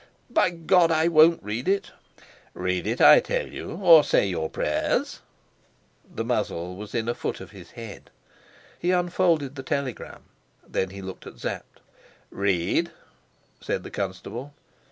"By God, I won't read it." "Read it, I tell you, or say your prayers." The muzzle was within a foot of his head. He unfolded the telegram. Then he looked at Sapt. "Read," said the constable.